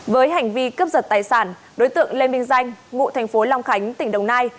với hành vi cướp giật tài sản đối tượng lê minh danh ngụ thành phố long khánh tỉnh đồng nai